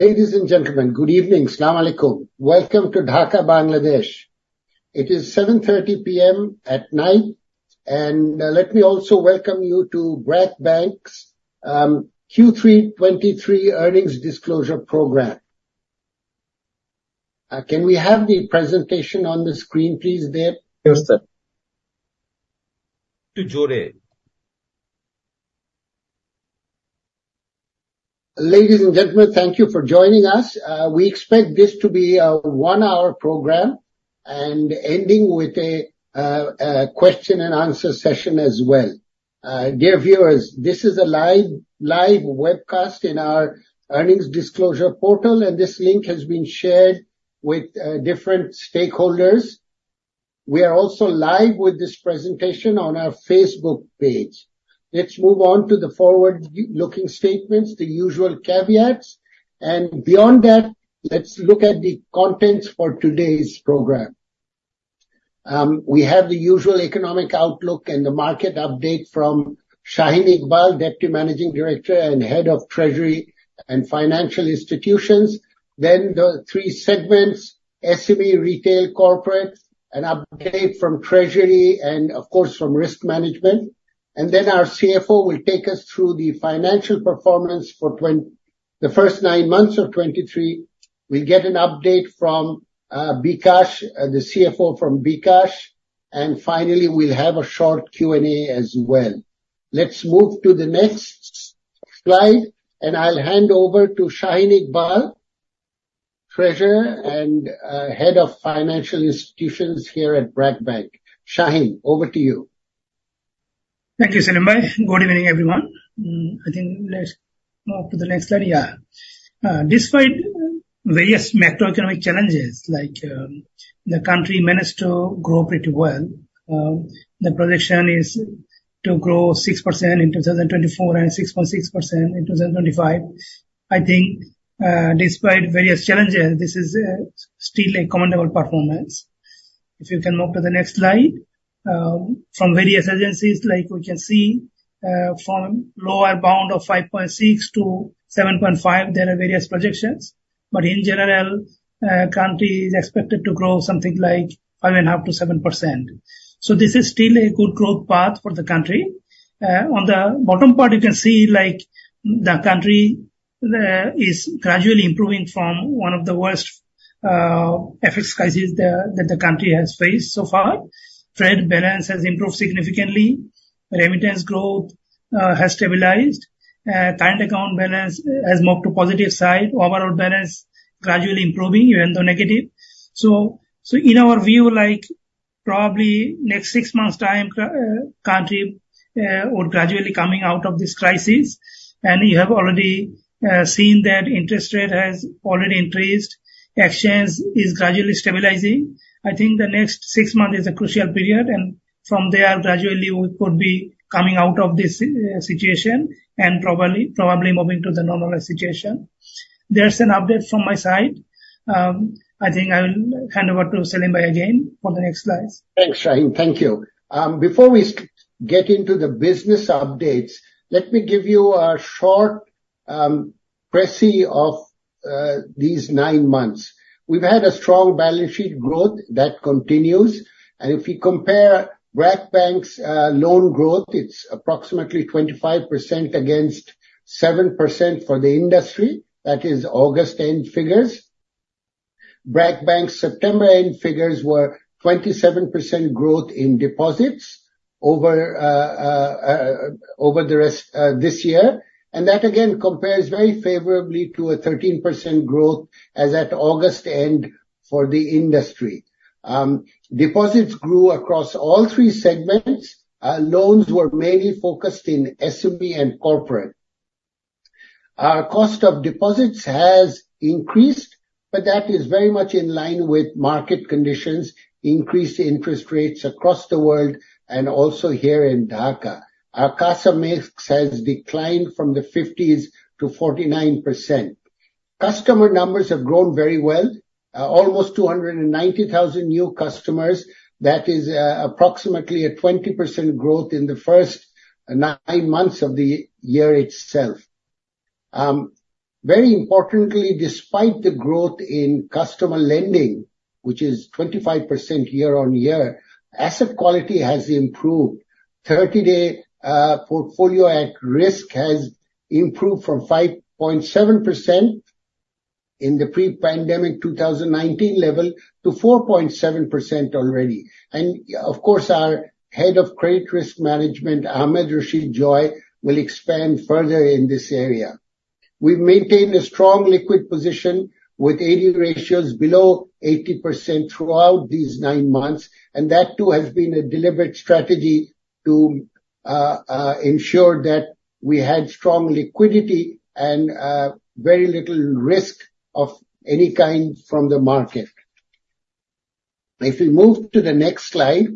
Ladies and gentlemen, good evening. Assalamu alaikum. Welcome to Dhaka, Bangladesh. It is 7:30 P.M. at night, and, let me also welcome you to BRAC Bank's Q3 2023 earnings disclosure program. Can we have the presentation on the screen, please, Dev? Yes, sir. To join. Ladies and gentlemen, thank you for joining us. We expect this to be a one-hour program and ending with a question-and-answer session as well. Dear viewers, this is a live, live webcast in our earnings disclosure portal, and this link has been shared with different stakeholders. We are also live with this presentation on our Facebook page. Let's move on to the forward-looking statements, the usual caveats, and beyond that, let's look at the contents for today's program. We have the usual economic outlook and the market update from Shaheen Iqbal, Deputy Managing Director and Head of Treasury and Financial Institutions. Then the three segments, SME, Retail, Corporate, an update from Treasury and of course from Risk Management. And then our CFO will take us through the financial performance for the first nine months of 2023. We'll get an update from, bKash, the CFO from bKash, and finally, we'll have a short Q&A as well. Let's move to the next slide, and I'll hand over to Shaheen Iqbal, Treasurer and Head of Financial Institutions here at BRAC Bank. Shaheen, over to you. Thank you, Selimbhai. Good evening, everyone. I think let's move to the next slide. Yeah. Despite various macroeconomic challenges, like, the country managed to grow pretty well, the projection is to grow 6% in 2024 and 6.6% in 2025. I think, despite various challenges, this is still a commendable performance. If you can move to the next slide. From various agencies, like we can see, from lower bound of 5.6%-7.5%, there are various projections, but in general, country is expected to grow something like 5.5%-7%. So this is still a good growth path for the country. On the bottom part, you can see, like, the country is gradually improving from one of the worst FX crises that the country has faced so far. Trade balance has improved significantly. Remittance growth has stabilized. Current account balance has moved to positive side. Overall balance gradually improving, even though negative. So in our view, like, probably next six months' time, country would gradually coming out of this crisis. And you have already seen that interest rate has already increased. Exchange is gradually stabilizing. I think the next six months is a crucial period, and from there, gradually we could be coming out of this situation and probably moving to the normalized situation. That's an update from my side. I think I will hand over to Selim bhai again for the next slides. Thanks, Shaheen. Thank you. Before we get into the business updates, let me give you a short precis of these nine months. We've had a strong balance sheet growth that continues, and if we compare BRAC Bank's loan growth, it's approximately 25% against 7% for the industry. That is August end figures. BRAC Bank's September end figures were 27% growth in deposits over the rest this year, and that again compares very favorably to a 13% growth as at August end for the industry. Deposits grew across all three segments. Loans were mainly focused in SME and corporate. Our cost of deposits has increased, but that is very much in line with market conditions, increased interest rates across the world and also here in Dhaka. Our CASA mix has declined from the 50s to 49%. Customer numbers have grown very well, almost 290,000 new customers. That is, approximately a 20% growth in the first nine months of the year itself. Very importantly, despite the growth in customer lending, which is 25% year-on-year, asset quality has improved. 30-day portfolio at risk has improved from 5.7% in the pre-pandemic 2019 level to 4.7% already. Of course, our Head of Credit Risk Management, Ahmed Rashid Joy, will expand further in this area. We've maintained a strong liquid position with AD ratios below 80% throughout these nine months, and that, too, has been a deliberate strategy to ensure that we had strong liquidity and very little risk of any kind from the market. If we move to the next slide,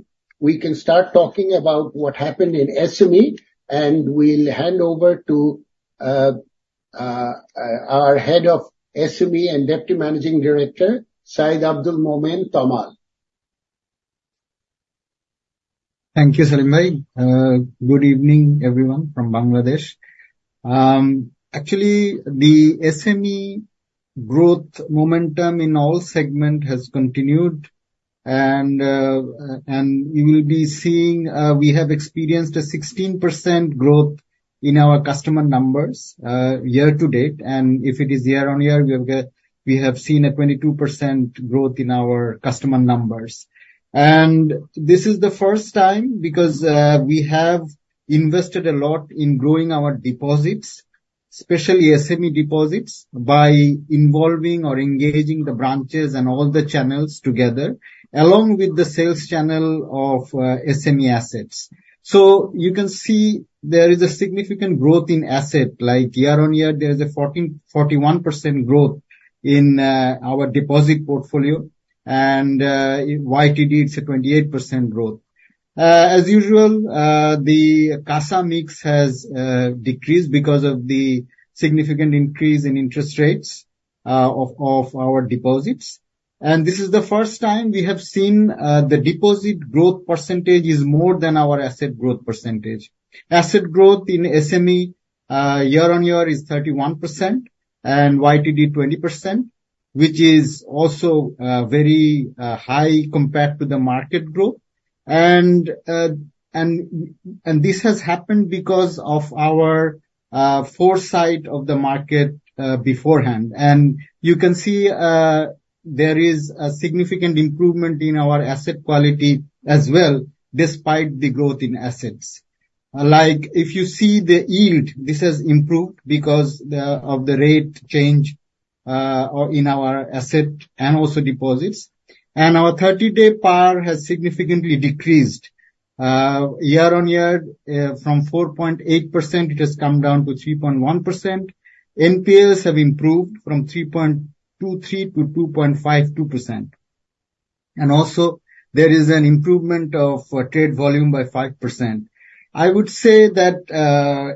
we can start talking about what happened in SME, and we'll hand over to our Head of SME and Deputy Managing Director, Syed Abdul Momen Tomal. Thank you, Selimbhai. Good evening, everyone from Bangladesh. Actually, the SME growth momentum in all segment has continued, and you will be seeing we have experienced a 16% growth in our customer numbers year-to-date. And if it is year-on-year, we have seen a 22% growth in our customer numbers. And this is the first time, because we have invested a lot in growing our deposits, especially SME deposits, by involving or engaging the branches and all the channels together, along with the sales channel of SME assets. So you can see there is a significant growth in asset, like year-on-year, there is a 41% growth in our deposit portfolio, and YTD, it's a 28% growth. As usual, the CASA mix has decreased because of the significant increase in interest rates of our deposits. This is the first time we have seen the deposit growth percentage is more than our asset growth percentage. Asset growth in SME year-on-year is 31% and YTD 20%, which is also very high compared to the market growth. This has happened because of our foresight of the market beforehand. You can see there is a significant improvement in our asset quality as well, despite the growth in assets. Like, if you see the yield, this has improved because of the rate change or in our asset and also deposits. Our 30-day PAR has significantly decreased year-on-year from 4.8% to 3.1%. NPLS have improved from 3.23% to 2.52%. Also, there is an improvement of trade volume by 5%. I would say that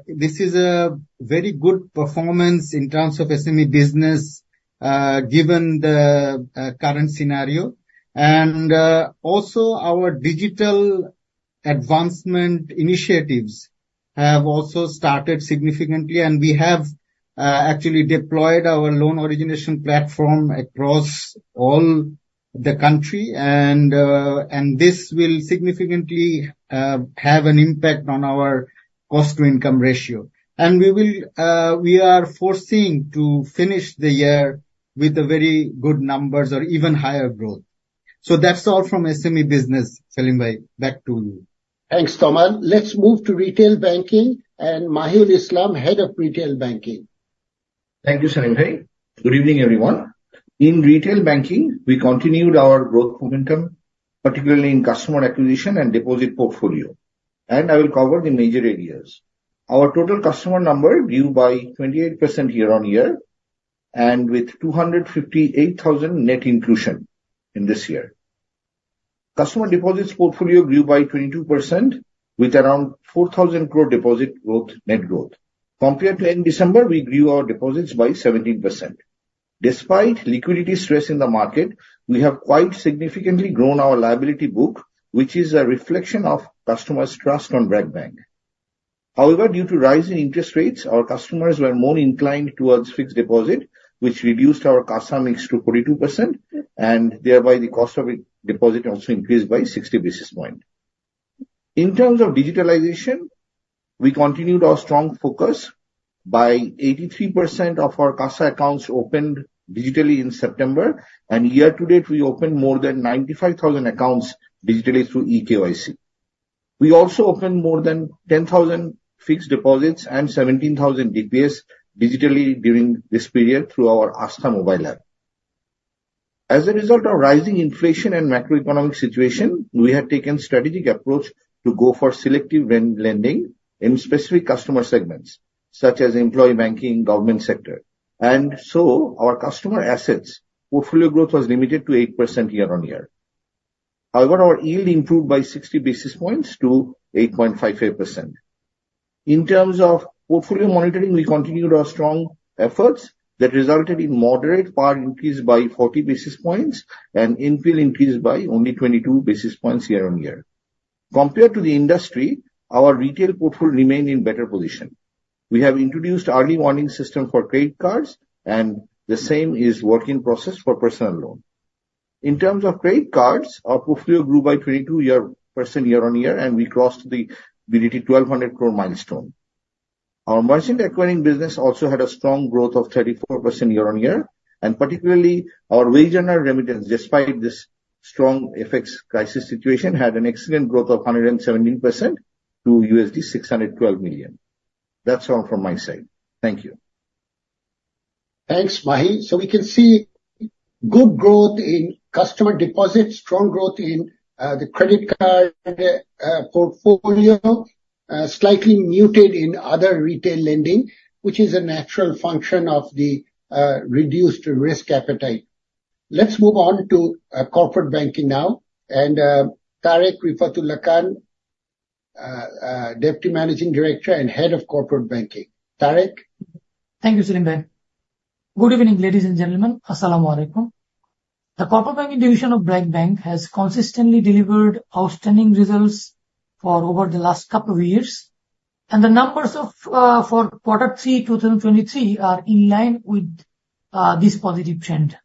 this is a very good performance in terms of SME business given the current scenario. Also our digital advancement initiatives have also started significantly, and we have actually deployed our loan origination platform across all the country. And this will significantly have an impact on our cost to income ratio. And we will, we are foreseeing to finish the year with very good numbers or even higher growth. So that's all from SME business, Selim bhai. Back to you. Thanks, Tomal. Let's move to Retail Banking and Mahiul Islam, Head of Retail Banking. Thank you, Selimbhai. Good evening, everyone. In retail banking, we continued our growth momentum, particularly in customer acquisition and deposit portfolio, and I will cover the major areas. Our total customer number grew by 28% year-on-year, and with 258,000 net inclusion in this year. Customer deposits portfolio grew by 22%, with around BDT 4,000 crore deposit growth, net growth. Compared to end December, we grew our deposits by 17%. Despite liquidity stress in the market, we have quite significantly grown our liability book, which is a reflection of customers' trust on BRAC Bank. However, due to rise in interest rates, our customers were more inclined towards fixed deposit, which reduced our CASA mix to 42%, and thereby the cost of deposit also increased by 60 basis points. In terms of digitalization, we continued our strong focus by 83% of our CASA accounts opened digitally in September, and year to date, we opened more than 95,000 accounts digitally through e-KYC. We also opened more than 10,000 fixed deposits and 17,000 DPS digitally during this period through our Astha mobile app. As a result of rising inflation and macroeconomic situation, we have taken strategic approach to go for selective lending in specific customer segments, such as employee banking, government sector. So our customer assets portfolio growth was limited to 8% year-on-year. However, our yield improved by 60 basis points to 8.55%. In terms of portfolio monitoring, we continued our strong efforts that resulted in moderate PAR increase by 40 basis points and NPL increase by only 22 basis points year-on-year. Compared to the industry, our retail portfolio remained in better position. We have introduced early warning system for credit cards, and the same is work in process for personal loan. In terms of credit cards, our portfolio grew by 22% year-on-year, and we crossed the BDT 1,200 crore milestone. Our merchant acquiring business also had a strong growth of 34% year-on-year, and particularly our regional remittance, despite this strong FX crisis situation, had an excellent growth of 117% to $612 million. That's all from my side. Thank you. Thanks, Mahiul. So we can see good growth in customer deposits, strong growth in the credit card portfolio, slightly muted in other retail lending, which is a natural function of the reduced risk appetite. Let's move on to corporate banking now, and Tareq Refat Ullah Khan, Deputy Managing Director and Head of Corporate Banking. Tareq? Thank you, Selimbhai. Good evening, ladies and gentlemen. Assalamu alaikum. The corporate banking division of BRAC Bank has consistently delivered outstanding results for over the last couple of years, and the numbers for Q3 2023 are in line with this positive trend.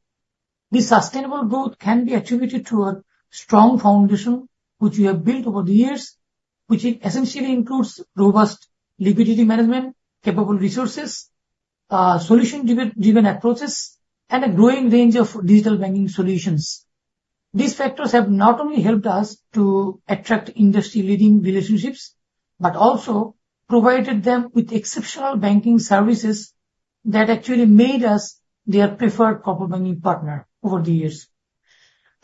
This sustainable growth can be attributed to a strong foundation, which we have built over the years, which essentially includes robust liquidity management, capable resources, solution-driven approaches, and a growing range of digital banking solutions. These factors have not only helped us to attract industry-leading relationships, but also provided them with exceptional banking services that actually made us their preferred corporate banking partner over the years.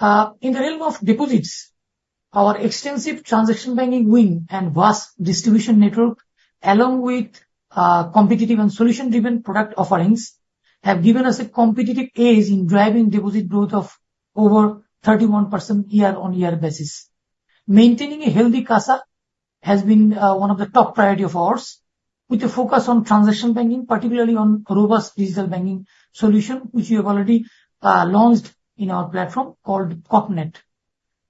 In the realm of deposits, our extensive transaction banking wing and vast distribution network, along with competitive and solution-driven product offerings, have given us a competitive edge in driving deposit growth of over 31% year-on-year basis. Maintaining a healthy CASA has been one of the top priority of ours, with a focus on transaction banking, particularly on robust digital banking solution, which we have already launched in our platform called CorpNet.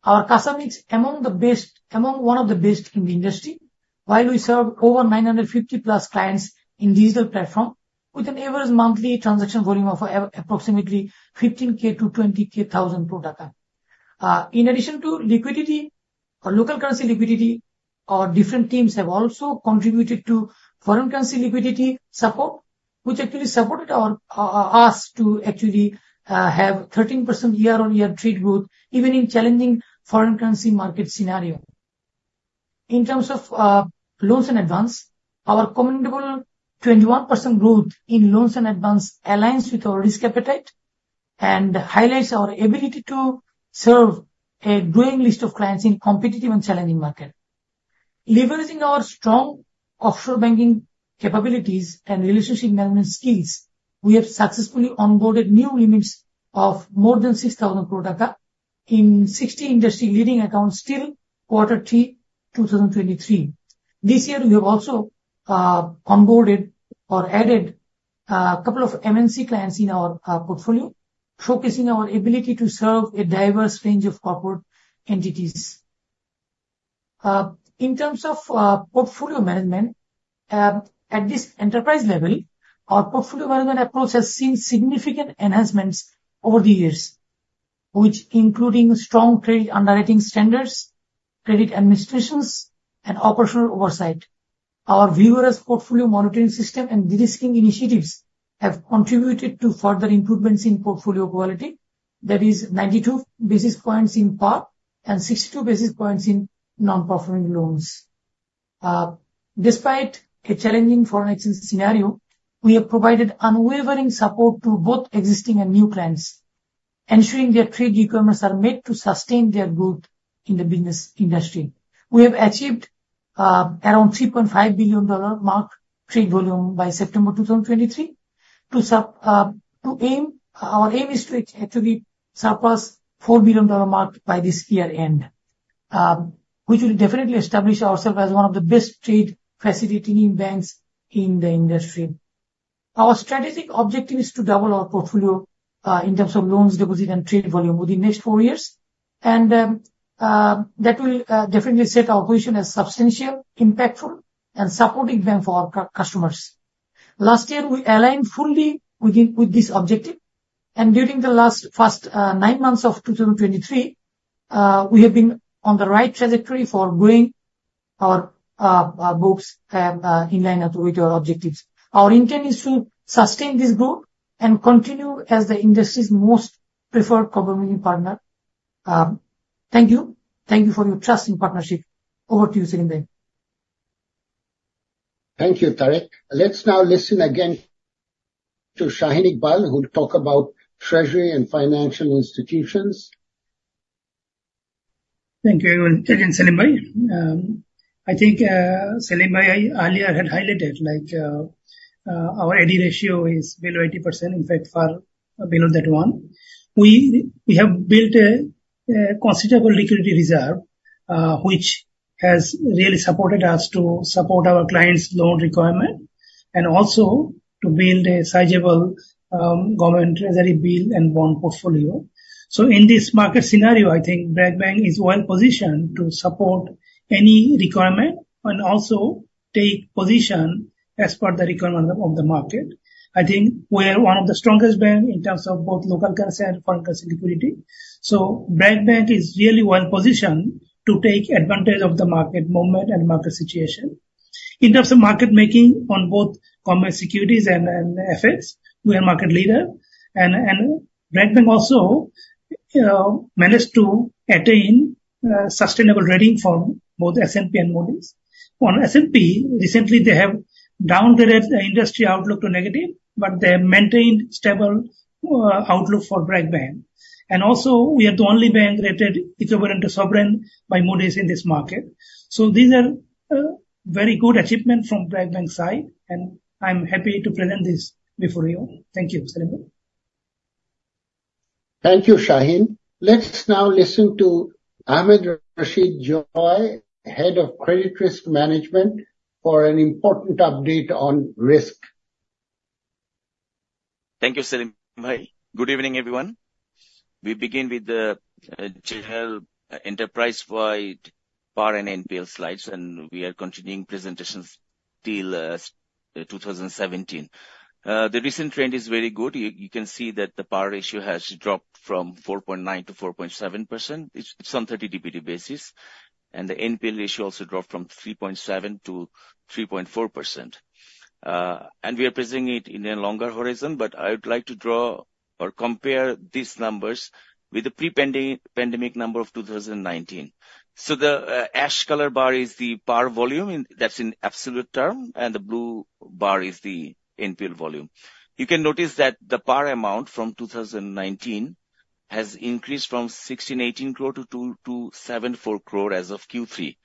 Our CASA is among the best, among one of the best in the industry, while we serve over 950+ clients in digital platform, with an average monthly transaction volume of approximately BDT 15 million-BDT 20 million. In addition to liquidity, or local currency liquidity, our different teams have also contributed to foreign currency liquidity support, which actually supported us to actually have 13% year-on-year trade growth, even in challenging foreign currency market scenario. In terms of loans and advance, our commendable 21% growth in loans and advance aligns with our risk appetite, and highlights our ability to serve a growing list of clients in competitive and challenging market. Leveraging our strong offshore banking capabilities and relationship management skills, we have successfully onboarded new limits of more than BDT 6,000 crore in 60 industry-leading accounts till quarter three, 2023. This year, we have also onboarded or added a couple of MNC clients in our portfolio, showcasing our ability to serve a diverse range of corporate entities. In terms of portfolio management, at this enterprise level, our portfolio management approach has seen significant enhancements over the years, which including strong trade underwriting standards, credit administrations, and operational oversight. Our vigorous portfolio monitoring system and de-risking initiatives have contributed to further improvements in portfolio quality. That is 92 basis points in PAR and 62 basis points in non-performing loans. Despite a challenging foreign exchange scenario, we have provided unwavering support to both existing and new clients, ensuring their trade requirements are made to sustain their growth in the business industry. We have achieved around $3.5 billion trade volume mark by September 2023. Our aim is to actually surpass $4 billion mark by this year-end, which will definitely establish ourselves as one of the best trade facilitating banks in the industry. Our strategic objective is to double our portfolio in terms of loans, deposits, and trade volume within next four years. That will definitely set our operation as substantial, impactful, and supporting bank for our customers. Last year, we aligned fully with this objective, and during the last nine months of 2023, we have been on the right trajectory for growing our books in line with our objectives. Our intent is to sustain this growth and continue as the industry's most preferred corporate banking partner. Thank you. Thank you for your trust and partnership. Over to you, Selimbhai. Thank you, Tareq. Let's now listen again to Shaheen Iqbal, who'll talk about Treasury and Financial Institutions. Thank you again, Selimbhai. I think, Selimbhai, I earlier had highlighted, like, our AD ratio is below 80%, in fact, far below that one. We, we have built a, a considerable liquidity reserve, which has really supported us to support our clients' loan requirement, and also to build a sizable government treasury bill and bond portfolio. So in this market scenario, I think BRAC Bank is well positioned to support any requirement and also take position as per the requirement of the market. I think we are one of the strongest bank in terms of both local currency and foreign currency liquidity. So BRAC Bank is really well positioned to take advantage of the market movement and market situation. In terms of market making on both commercial securities and FX, we are market leader. BRAC Bank also managed to attain sustainable rating from both S&P and Moody's. On S&P, recently, they have downgraded the industry outlook to negative, but they have maintained stable outlook for BRAC Bank. And also, we are the only bank rated equivalent to Sovereign by Moody's in this market. So these are very good achievement from BRAC Bank side, and I'm happy to present this before you. Thank you, Selimbhai. Thank you, Shaheen. Let's now listen to Ahmed Rashid Joy, Head of Credit Risk Management, for an important update on risk. Thank you, Selimbhai. Good evening, everyone. We begin with the general enterprise-wide PAR and NPL slides, and we are continuing presentations till 2017. The recent trend is very good. You, you can see that the PAR ratio has dropped from 4.9% to 4.7%. It's, it's on 30 DPD basis, and the NPL ratio also dropped from 3.7% to 3.4%. And we are presenting it in a longer horizon, but I would like to draw or compare these numbers with the pre-pandemic number of 2019. So the ash color bar is the PAR volume, and that's in absolute term, and the blue bar is the NPL volume. You can notice that the PAR amount from 2019 has increased from BDT 1,618 crore to BDT 2,074 crore as of Q3,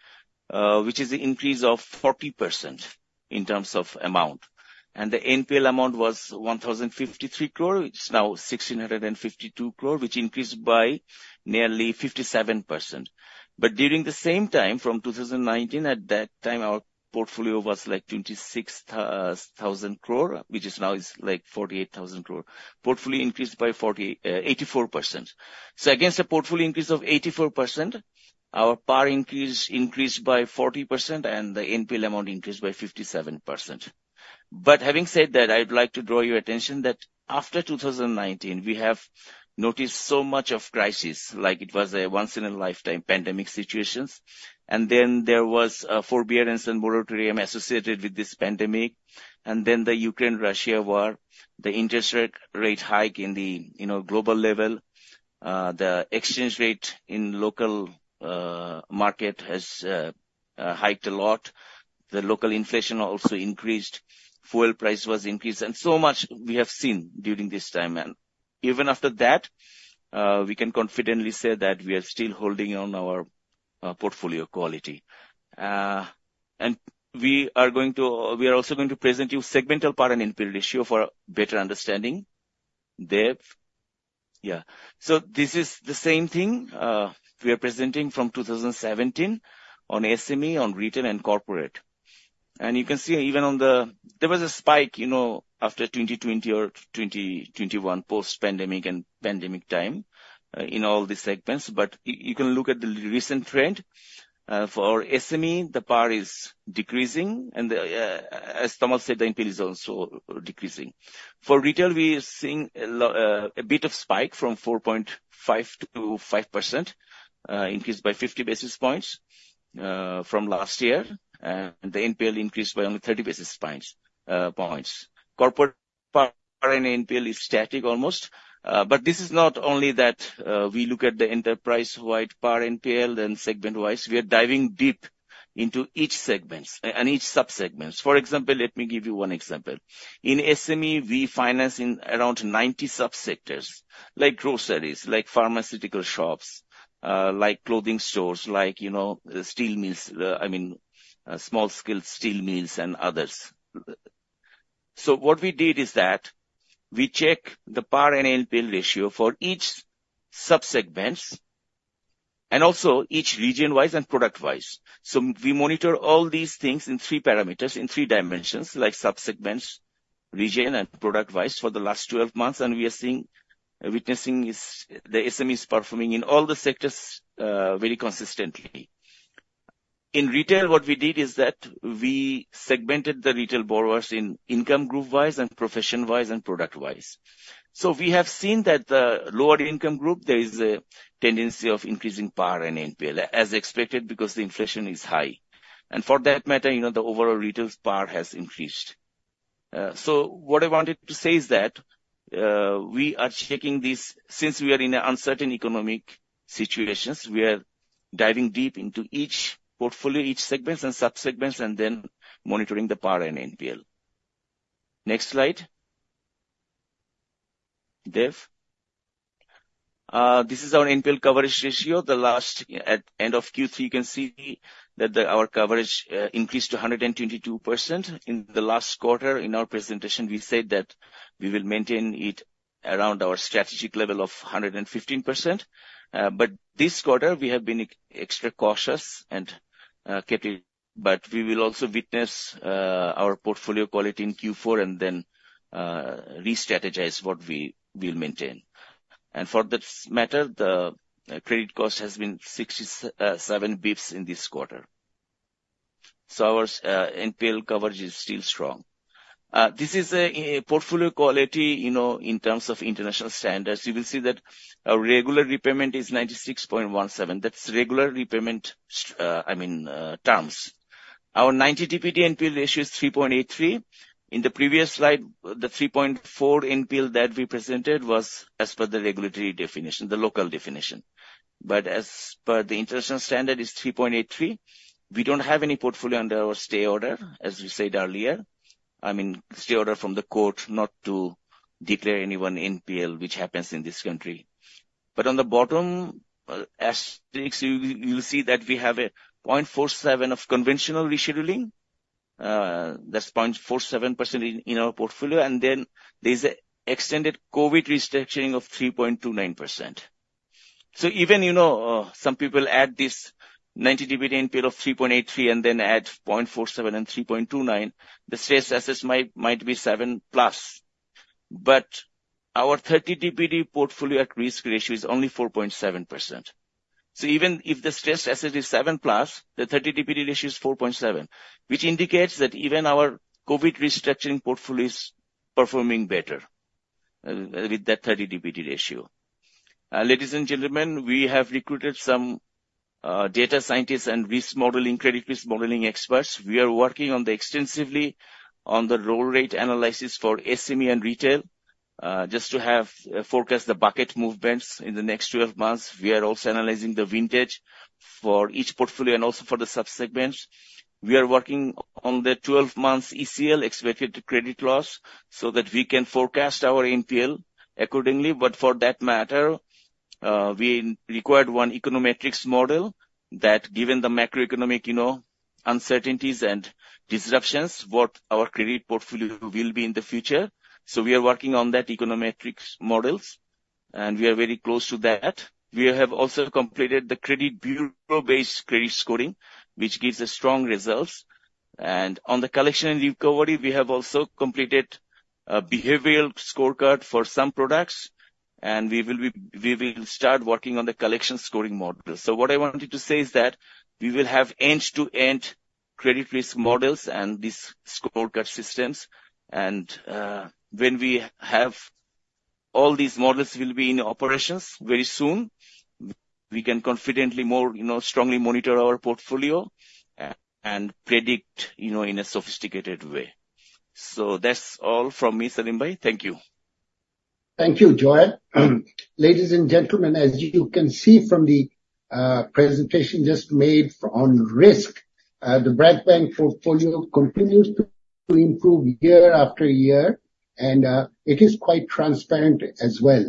which is an increase of 40% in terms of amount. And the NPL amount was BDT 1,053 crore, it's now BDT 1,652 crore, which increased by nearly 57%. But during the same time, from 2019, at that time, our portfolio was, like, BDT 26,000 crore, which is now is, like, BDT 48,000 crore. Portfolio increased by 84%. So against a portfolio increase of 84%, our PAR increase increased by 40%, and the NPL amount increased by 57%. But having said that, I'd like to draw your attention that after 2019, we have noticed so much of crisis, like it was a once in a lifetime pandemic situations. And then there was forbearance and moratorium associated with this pandemic, and then the Ukraine-Russia war, the interest rate rate hike in the, you know, global level, the exchange rate in local market has hiked a lot. The local inflation also increased, fuel price was increased, and so much we have seen during this time. And even after that, we can confidently say that we are still holding on our portfolio quality. And we are going to... We are also going to present you segmental PAR and NPL ratio for better understanding. Dev? Yeah. So this is the same thing, we are presenting from 2017 on SME, on retail, and corporate. And you can see even on the-- There was a spike, you know, after 2020 or 2021, post-pandemic and pandemic time, in all the segments. But you can look at the recent trend. For SME, the PAR is decreasing, and the, as Tomal said, the NPL is also decreasing. For retail, we are seeing a bit of spike from 4.5%-5%, increased by 50 basis points, from last year, and the NPL increased by only 30 basis points, points. Corporate PAR and NPL is static almost. But this is not only that. We look at the enterprise-wide PAR NPL and segment-wise. We are diving deep into each segments and each subsegments. For example, let me give you one example: In SME, we finance in around 90 subsectors, like groceries, like pharmaceutical shops, like clothing stores, like, you know, steel mills, I mean, small scale steel mills and others. So what we did is that we check the PAR and NPL ratio for each subsegments and also each region-wise and product-wise. So we monitor all these things in three parameters, in three dimensions, like subsegments, region, and product-wise for the last 12 months, and we are seeing, witnessing is, the SME is performing in all the sectors, very consistently. In retail, what we did is that we segmented the retail borrowers in income group-wise and profession-wise and product-wise. So we have seen that the lower income group, there is a tendency of increasing PAR and NPL, as expected, because the inflation is high. And for that matter, you know, the overall retail PAR has increased. So what I wanted to say is that, we are checking this. Since we are in an uncertain economic situations, we are diving deep into each portfolio, each segments and subsegments, and then monitoring the PAR and NPL. Next slide. Dev? This is our NPL coverage ratio, the last, at end of Q3, you can see that the, our coverage, increased to 122%. In the last quarter, in our presentation, we said that we will maintain it around our strategic level of 115%. But this quarter we have been extra cautious and careful, but we will also witness our portfolio quality in Q4 and then restrategize what we will maintain. And for that matter, the credit cost has been 67 basis points in this quarter. So our NPL coverage is still strong. This is a portfolio quality, you know, in terms of international standards. You will see that our regular repayment is 96.17. That's regular repayment, I mean, terms. Our 90 DPD NPL ratio is 3.83. In the previous slide, the 3.4 NPL that we presented was as per the regulatory definition, the local definition, but as per the international standard is 3.83. We don't have any portfolio under our stay order, as we said earlier. I mean, stay order from the court not to declare anyone NPL, which happens in this country. But on the bottom, as you see that we have a 0.47 of conventional rescheduling, that's 0.47% in our portfolio, and then there's an extended COVID restructuring of 3.29%. So even, you know, some people add this 90 DPD NPL of 3.83 and then add 0.47 and 3.29, the stress assets might be 7+. But our 30 DPD portfolio at risk ratio is only 4.7%. So even if the stress asset is 7+, the 30 DPD ratio is 4.7, which indicates that even our COVID restructuring portfolio is performing better with that 30 DPD ratio. Ladies and gentlemen, we have recruited some data scientists and risk modeling, credit risk modeling experts. We are working extensively on the roll rate analysis for SME and retail, just to forecast the bucket movements in the next 12 months. We are also analyzing the vintage for each portfolio and also for the sub-segments. We are working on the 12-month ECL, expected credit loss, so that we can forecast our NPL accordingly. But for that matter, we required one econometric model that, given the macroeconomic, you know, uncertainties and disruptions, what our credit portfolio will be in the future. So we are working on that econometric models, and we are very close to that. We have also completed the credit bureau-based credit scoring, which gives us strong results. And on the collection and recovery, we have also completed a behavioral scorecard for some products, and we will start working on the collection scoring model. So what I wanted to say is that we will have end-to-end credit risk models and these scorecard systems. And, when we have all these models will be in operations very soon, we can confidently more, you know, strongly monitor our portfolio and predict, you know, in a sophisticated way. So that's all from me, Selimbhai. Thank you. Thank you, Joy. Ladies and gentlemen, as you can see from the presentation just made on risk, the BRAC Bank portfolio continues to improve year-after-year, and it is quite transparent as well.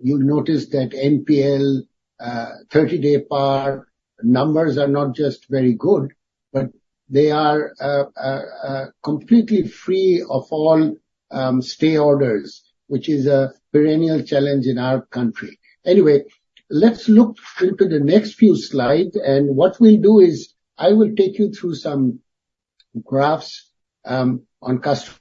You'll notice that NPL 30-day PAR numbers are not just very good, but they are completely free of all stay orders, which is a perennial challenge in our country. Anyway, let's look into the next few slides, and what we'll do is I will take you through some graphs on customer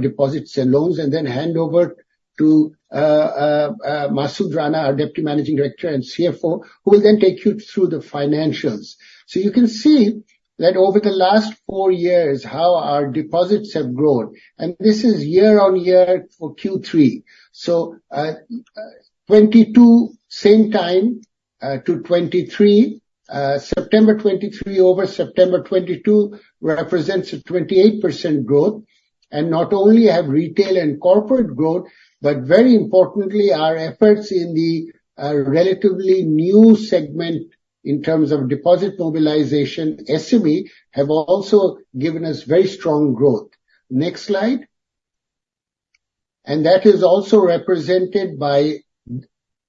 deposits and loans and then hand over to Masud Rana, our Deputy Managing Director and CFO, who will then take you through the financials. So you can see that over the last four years, how our deposits have grown, and this is year-on-year for Q3. So, 2022 same time to 2023, September 2023 over September 2022 represents a 28% growth. And not only have retail and corporate growth, but very importantly, our efforts in the relatively new segment in terms of deposit mobilization, SME, have also given us very strong growth. Next slide. And that is also represented by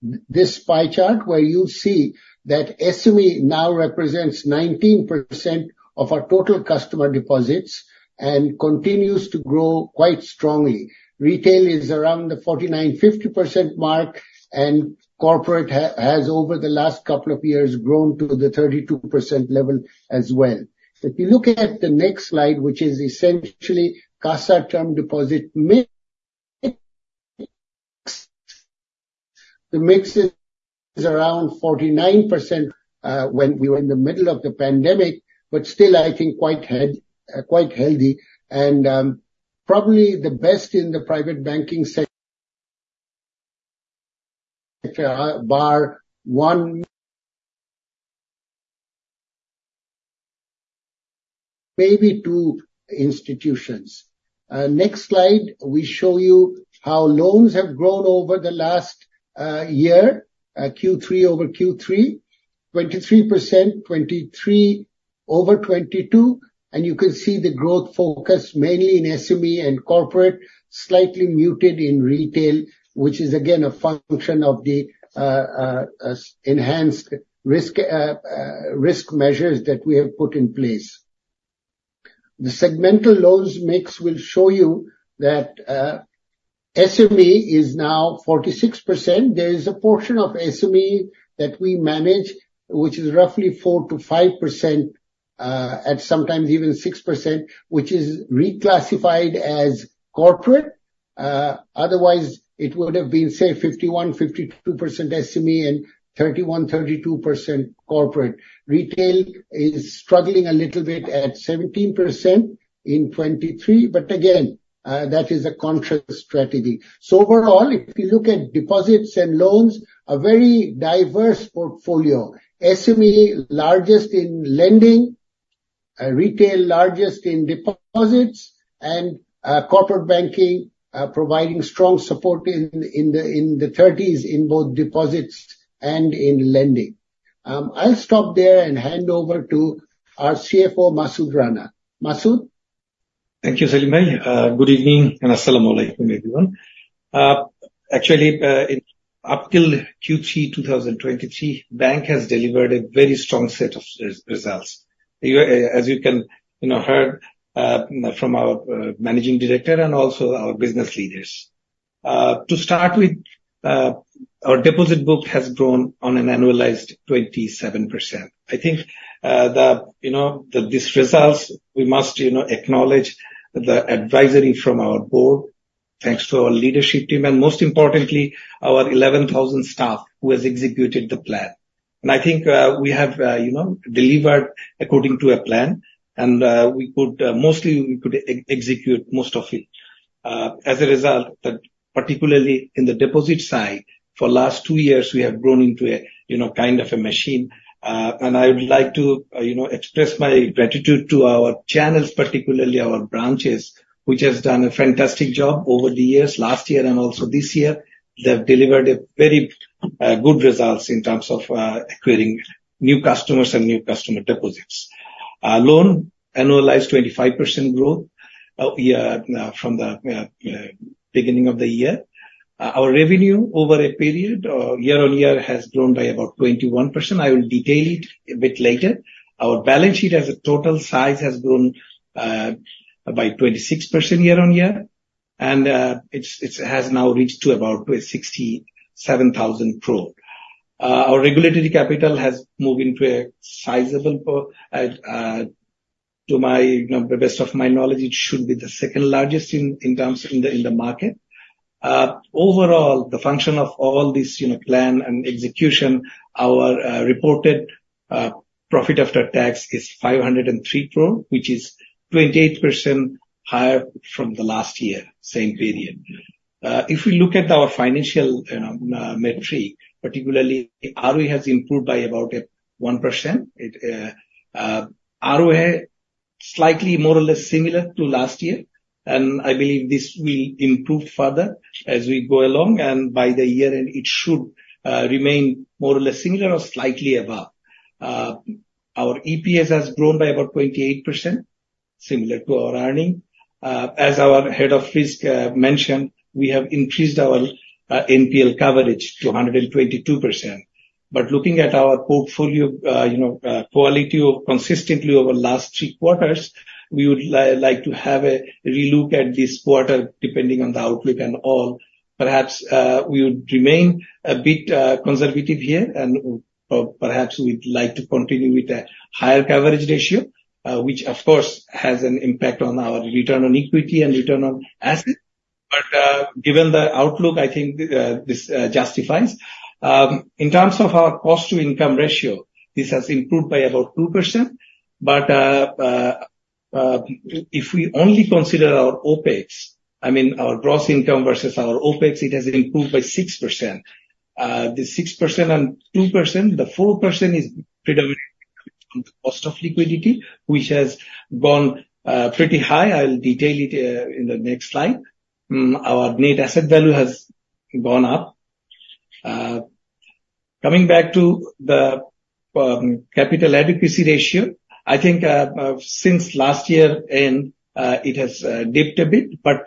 this pie chart, where you see that SME now represents 19% of our total customer deposits and continues to grow quite strongly. Retail is around the 49%-50% mark, and corporate has, over the last couple of years, grown to the 32% level as well. If you look at the next slide, which is essentially CASA term deposit mix, the mix is around 49%, when we were in the middle of the pandemic, but still, I think, quite head. Quite healthy and, probably the best in the private banking sector, bar one, maybe two institutions. Next slide, we show you how loans have grown over the last year, Q3 2023 over Q3 2022. 23%, 2023 over 2022, and you can see the growth focus mainly in SME and corporate, slightly muted in retail, which is again a function of the enhanced risk measures that we have put in place. The segmental loans mix will show you that, SME is now 46%. There is a portion of SME that we manage, which is roughly 4%-5%, and sometimes even 6%, which is reclassified as corporate. Otherwise, it would have been, say, 51%-52% SME and 31%-32% corporate. Retail is struggling a little bit at 17% in 2023, but again, that is a conscious strategy. So overall, if you look at deposits and loans, a very diverse portfolio. SME, largest in lending, retail, largest in deposits, and, corporate banking, providing strong support in the 30s in both deposits and in lending. I'll stop there and hand over to our CFO, Masud Rana. Masud? Thank you, Selimbhai. Good evening, and Assalamu alaikum, everyone. Actually, up till Q3 2023, Bank has delivered a very strong set of results. As you can, you know, heard from our Managing Director and also our business leaders. To start with, our deposit book has grown on an annualized 27%. I think, the, you know, the, these results, we must, you know, acknowledge the advisory from our Board, thanks to our Leadership team, and most importantly, our 11,000 staff who has executed the plan. And I think, we have, you know, delivered according to a plan, and, we could mostly execute most of it. As a result, that particularly in the deposit side, for last two years, we have grown into a, you know, kind of a machine. I would like to, you know, express my gratitude to our channels, particularly our branches, which has done a fantastic job over the years, last year, and also this year. They have delivered a very good results in terms of acquiring new customers and new customer deposits. Our loan, annualized 25% growth, from the beginning of the year. Our revenue over a period or year-on-year has grown by about 21%. I will detail it a bit later. Our balance sheet as a total size has grown by 26% year-on-year, and it has now reached to about BDT 67,000 crore. Our regulatory capital has moved into a sizable position, to my, you know, the best of my knowledge, it should be the second largest in terms of the market. Overall, the function of all this, you know, plan and execution, our reported profit after tax is BDT 503 crore, which is 28% higher from the last year, same period. If we look at our financial metric, particularly, ROE has improved by about 1%. ROA, slightly more or less similar to last year, and I believe this will improve further as we go along, and by the year end, it should remain more or less similar or slightly above. Our EPS has grown by about 28%, similar to our earning. As our head of risk mentioned, we have increased our NPL coverage to 122%. But looking at our portfolio, you know, quality consistently over last three quarters, we would like to have a relook at this quarter, depending on the outlook and all. Perhaps, we would remain a bit conservative here, and perhaps we'd like to continue with a higher coverage ratio, which of course has an impact on our return on equity and return on asset. But, given the outlook, I think this justifies. In terms of our cost to income ratio, this has improved by about 2%, but if we only consider our OpEx, I mean, our gross income versus our OpEx, it has improved by 6%. The 6% and 2%, the 4% is predominantly on the cost of liquidity, which has gone pretty high. I'll detail it in the next slide. Our net asset value has gone up. Coming back to the Capital Adequacy Ratio, I think since last year-end, it has dipped a bit, but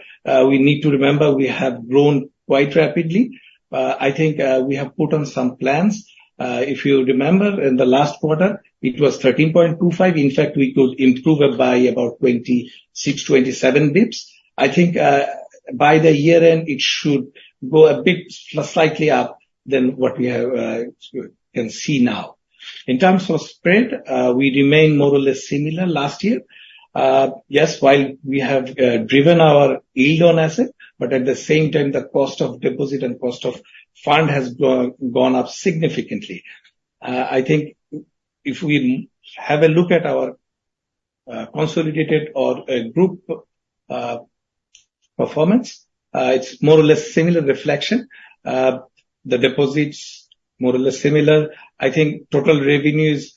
we need to remember we have grown quite rapidly. I think we have put on some plans. If you remember in the last quarter, it was 13.25. In fact, we could improve it by about 26-27 basis points. I think by the year end, it should go a bit slightly up than what we have, you can see now. In terms of spread, we remain more or less similar last year. Yes, while we have driven our yield on asset, but at the same time, the cost of deposit and cost of fund has gone up significantly. I think if we have a look at our consolidated or group performance, it's more or less similar reflection. The deposits, more or less similar. I think total revenues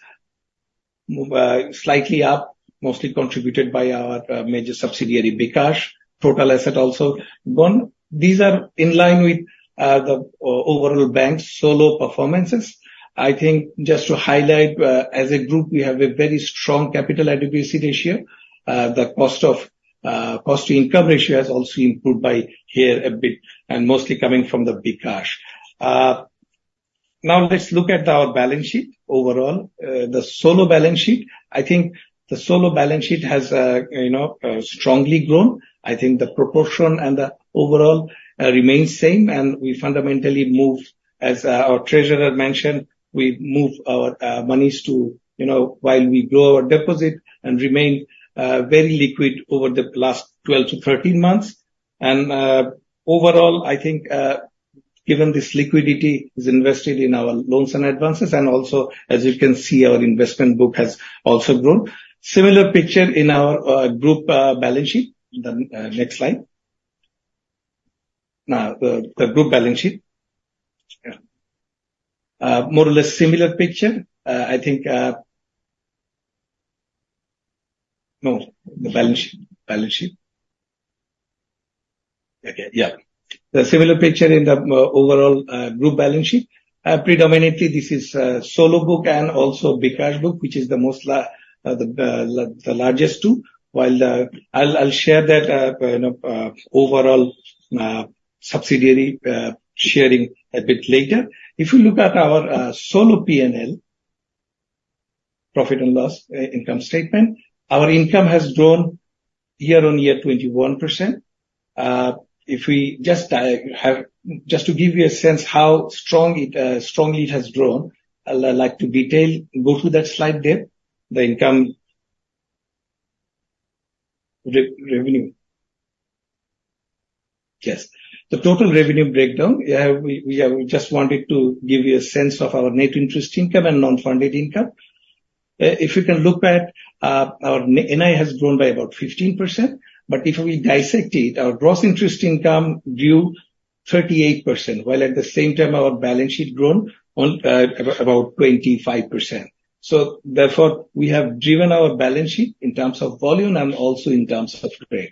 slightly up, mostly contributed by our major subsidiary, bKash. Total asset also gone. These are in line with the overall bank's solo performances. I think just to highlight, as a group, we have a very strong capital adequacy ratio. The cost of cost to income ratio has also improved by here a bit, and mostly coming from the bKash. Now let's look at our balance sheet overall. The solo balance sheet. I think the solo balance sheet has, you know, strongly grown. I think the proportion and the overall remains same, and we fundamentally move. As our Treasurer mentioned, we move our monies to, you know, while we grow our deposit and remain very liquid over the last 12-13 months. And overall, I think given this liquidity is invested in our loans and advances, and also, as you can see, our investment book has also grown. Similar picture in our group balance sheet. The next slide. Now, the group balance sheet. Yeah. More or less similar picture. I think. No, the balance sheet. Balance sheet. Okay, yeah. The similar picture in the overall group balance sheet. Predominantly, this is solo book and also bKash book, which is the most, the largest two, while I'll share that, you know, overall subsidiary sharing a bit later. If you look at our solo P&L, profit and loss, income statement, our income has grown year-on-year 21%. If we just to give you a sense how strong it strongly it has grown, I'll like to detail, go through that slide deck, the income revenue. Yes. The total revenue breakdown, we just wanted to give you a sense of our net interest income and non-funded income. If you can look at our NI has grown by about 15%, but if we dissect it, our gross interest income grew 38%, while at the same time, our balance sheet grown on about 25%. So therefore, we have driven our balance sheet in terms of volume and also in terms of spread.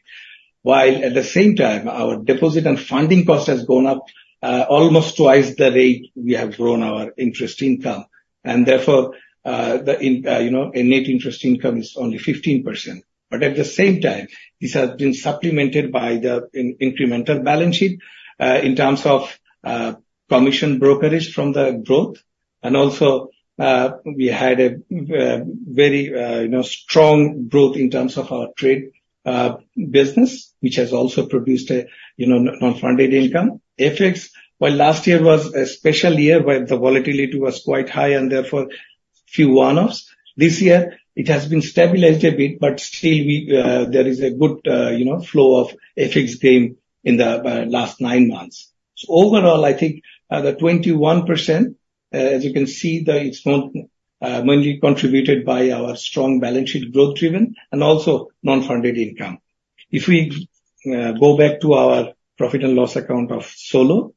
While at the same time, our deposit and funding cost has gone up almost twice the rate we have grown our interest income, and therefore, you know, the net interest income is only 15%. But at the same time, this has been supplemented by the incremental balance sheet, in terms of, commission brokerage from the growth, and also, we had a, very, you know, strong growth in terms of our trade, business, which has also produced a, you know, non-funded income. FX, well, last year was a special year where the volatility was quite high, and therefore, few one-offs. This year it has been stabilized a bit, but still we, there is a good, you know, flow of FX gain in the, last nine months. So overall, I think, the 21%, as you can see, that it's not, mainly contributed by our strong balance sheet growth driven and also non-funded income. If we, go back to our profit and loss account of solo.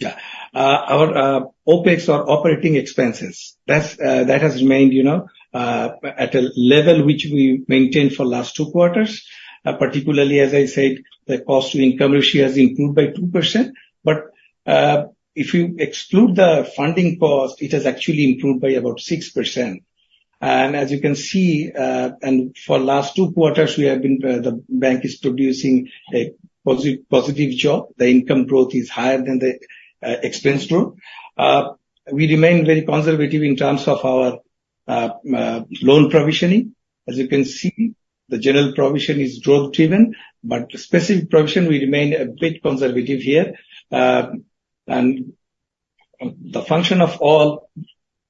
Yeah. Our OpEx or operating expenses, that's that has remained, you know, at a level which we maintained for last two quarters, particularly as I said, the cost to income ratio has improved by 2%. But, if you exclude the funding cost, it has actually improved by about 6%. And as you can see, and for last two quarters, we have been, the bank is producing a positive job. The income growth is higher than the expense growth. We remain very conservative in terms of our loan provisioning. As you can see, the general provision is growth driven, but specific provision, we remain a bit conservative here. And the function of all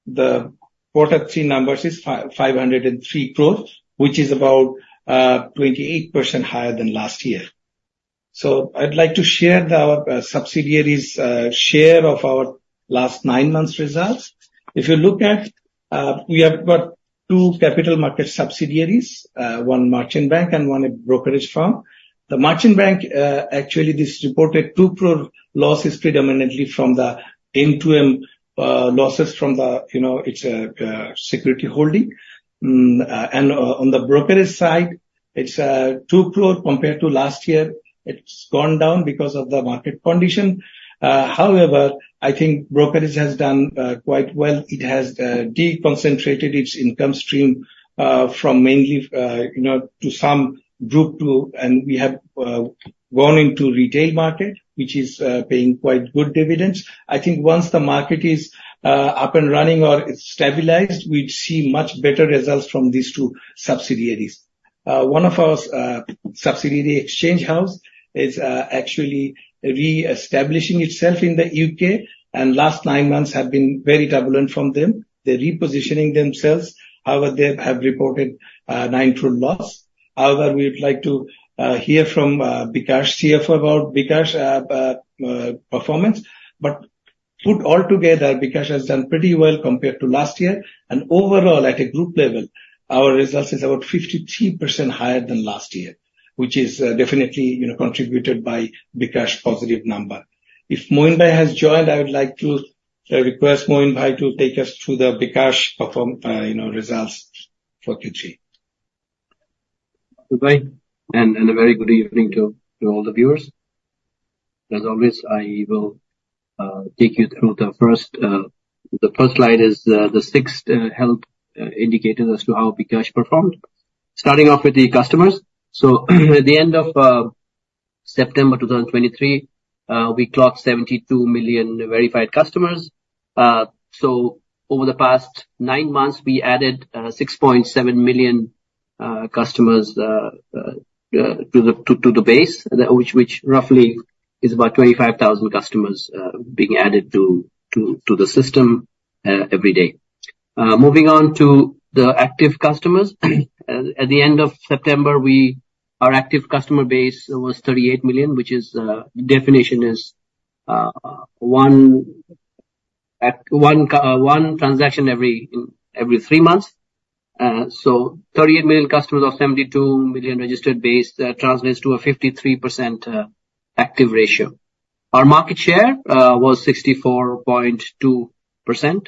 the quarter three numbers is 503 growth, which is about 28% higher than last year. So I'd like to share our subsidiaries, share of our last 9 months results. If you look at, we have got two capital market subsidiaries, one merchant bank and one a brokerage firm. The merchant bank, actually this reported BDT 2 crore losses predominantly from the M2M, losses from the, you know, its security holding. And on the brokerage side, it's BDT 2 crore compared to last year. It's gone down because of the market condition. However, I think brokerage has done quite well. It has deconcentrated its income stream from mainly, you know, to some group two, and we have gone into retail market, which is paying quite good dividends. I think once the market is up and running or it's stabilized, we'd see much better results from these 2 subsidiaries. One of our subsidiary exchange house is actually reestablishing itself in the UK, and last nine months have been very turbulent from them. They're repositioning themselves, however, they have reported net loss. However, we would like to hear from bKash CFO about bKash performance. But put all together, bKash has done pretty well compared to last year, and overall, at a group level, our results is about 53% higher than last year, which is definitely, you know, contributed by bKash positive number. If Moinbhai has joined, I would like to request Moinbhai to take us through the bKash performance, you know, results for Q3. Good day, and a very good evening to all the viewers. As always, I will take you through the first slide, which is the six key health indicators as to how bKash performed. Starting off with the customers. So at the end of September 2023, we clocked 72 million verified customers. So over the past nine months, we added 6.7 million customers to the base, which roughly is about 25,000 customers being added to the system every day. Moving on to the active customers. At the end of September, our active customer base was 38 million, which is defined as one transaction every three months. So 38 million customers of 72 million registered base translates to a 53% active ratio. Our market share was 64.2%.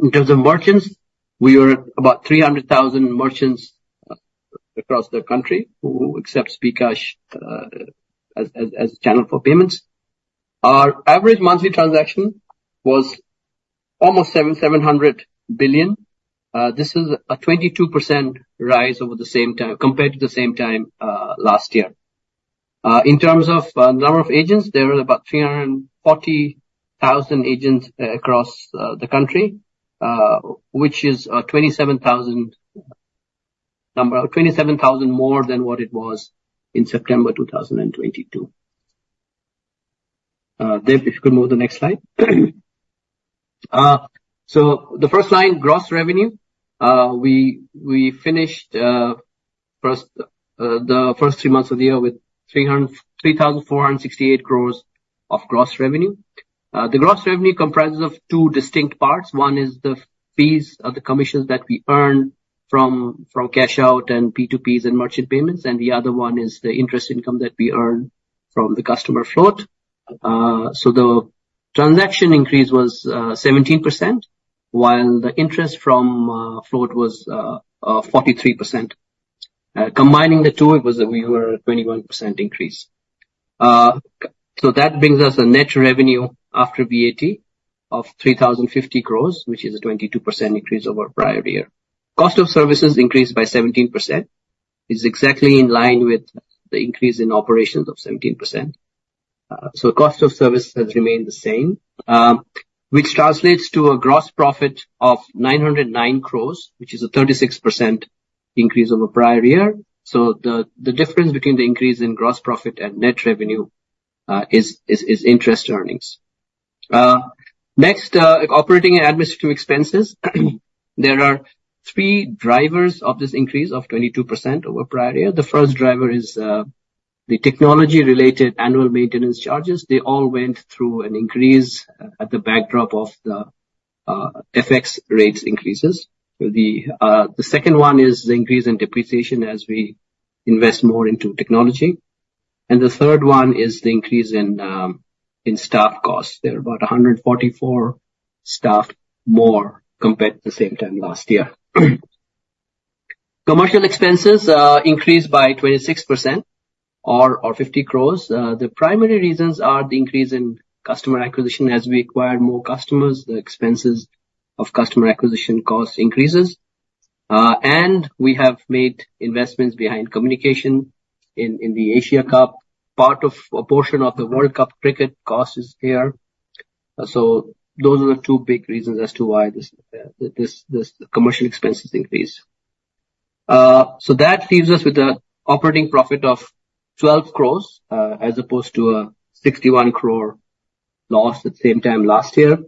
In terms of merchants, we were about 300,000 merchants across the country who accept bKash as a channel for payments. Our average monthly transaction was almost BDT 700 billion. This is a 22% rise over the same time, compared to the same time last year. In terms of number of agents, there are about 340,000 agents across the country, which is 27,000 more than what it was in September 2022. Dev, if you could move the next slide. So the first line, gross revenue. We finished the first three months of the year with BDT 303,468 crore of gross revenue. The gross revenue comprises of two distinct parts. One is the fees of the commissions that we earn from cash out and P2Ps and merchant payments, and the other one is the interest income that we earn from the customer float. So the transaction increase was 17%, while the interest from float was 43%. Combining the two, we were at 21% increase. So that brings us a net revenue after VAT of BDT 3,050 crore, which is a 22% increase over prior year. Cost of services increased by 17%. It's exactly in line with the increase in operations of 17%. So cost of service has remained the same, which translates to a gross profit of BDT 909 crore, which is a 36% increase over prior year. So the difference between the increase in gross profit and net revenue is interest earnings. Next, operating and administrative expenses. There are three drivers of this increase of 22% over prior year. The first driver is the technology-related annual maintenance charges. They all went through an increase at the backdrop of the FX rates increases. The second one is the increase in depreciation as we invest more into technology. And the third one is the increase in staff costs. There are about 144 staff more compared to the same time last year. Commercial expenses increased by 26% or BDT 50 crore. The primary reasons are the increase in customer acquisition. As we acquire more customers, the expenses of customer acquisition cost increases. And we have made investments behind communication in the Asia Cup. Part of a portion of the World Cup Cricket cost is there. So those are the two big reasons as to why this commercial expenses increase. So that leaves us with an operating profit of BDT 12 crore, as opposed to a BDT 61 crore loss at the same time last year.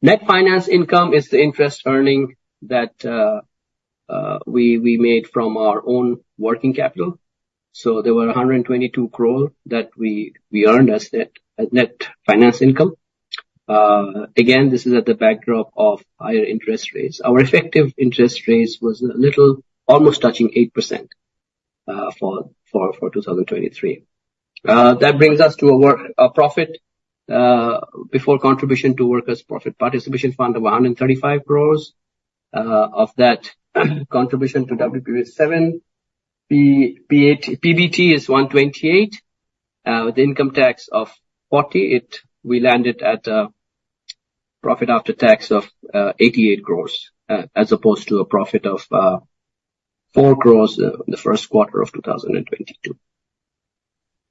Net finance income is the interest earning that we made from our own working capital. So there were BDT 122 crore that we earned as net finance income. Again, this is at the backdrop of higher interest rates. Our effective interest rates was a little, almost touching 8%, for 2023. That brings us to a profit before contribution to Workers' Profit Participation Fund of BDT 135 crore. Of that, contribution to WPPF 7, PBT is BDT 128 crore. With the income tax of BDT 40 crore, it. We landed at profit after tax of BDT 88 crore, as opposed to a profit of BDT 4 crore in the first quarter of 2022.